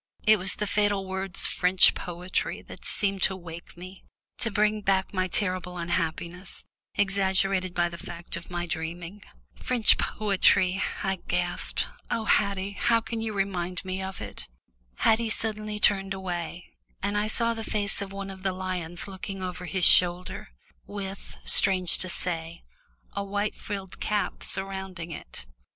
It was the fatal words "French poetry" that seemed to awake me to bring back my terrible unhappiness, exaggerated by the fact of my dreaming. "French poetry," I gasped, "oh, Haddie, how can you remind me of it?" Haddie suddenly turned away, and I saw the face of one of the lions looking over his shoulder, with, strange to say, a white frilled cap surrounding it.